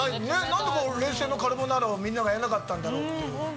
何で冷製のカルボナーラをみんながやらなかったんだろうっていう。